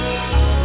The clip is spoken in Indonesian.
aku mau ke rumah